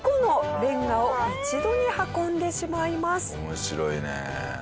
面白いね！